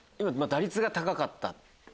打率が高かった。